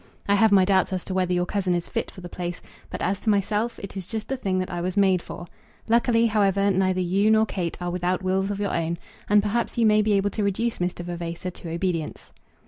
I have my doubts as to whether your cousin is fit for the place; but, as to myself, it is just the thing that I was made for. Luckily, however, neither you nor Kate are without wills of your own, and perhaps you may be able to reduce Mr. Vavasor to obedience.